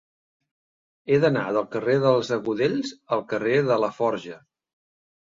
He d'anar del carrer dels Agudells al carrer de Laforja.